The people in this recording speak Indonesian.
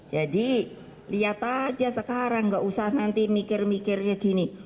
jadi lihat aja sekarang nggak usah nanti mikir mikirnya gini